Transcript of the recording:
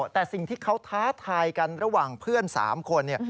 แต่สิ่งที่เขาท้าทายกันระหว่างเพื่อน๓คนเนี่ย